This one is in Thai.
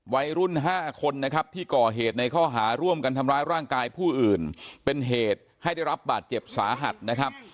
วัยรุ่น๕คนนะครับที่ก่อเหตุในข้อหาร่วมกันทำร้ายร่างกายผู้อื่นเป็นเหตุให้ได้รับบาดเจ็บสาหัสนะครับ